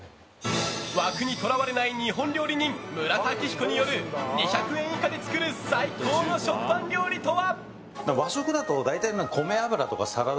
枠にとらわれない日本料理人村田明彦による２００円以下で作る最高の食パン料理とは？